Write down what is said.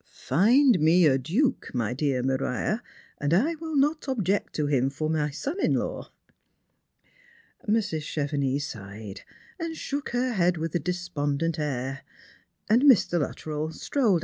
" Find me a duke, my dear Maria, and I will not object to him for my son in law." Mrs. Chevenix sighed, and shook her head with a despondent air ; and Mr. Luttrell strolled or.